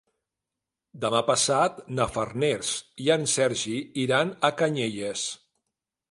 Demà passat na Farners i en Sergi iran a Canyelles.